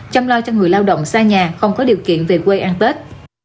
chăm lo cho người lao động xa nhà không có điều kiện về quê ăn tết